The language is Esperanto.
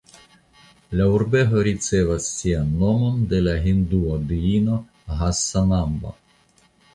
La urbego ricevas sian nomon de la hindua diino Hassanamba.